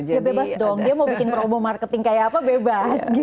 dia bebas dong dia mau bikin promo marketing kayak apa bebas